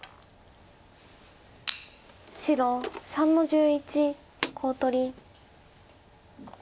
白３の十一コウ取り。